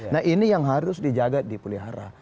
nah ini yang harus dijaga di pulihara